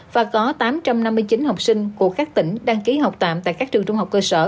và có tám trăm năm mươi chín học sinh của các tỉnh đăng ký học tạm tại các trường trung học cơ sở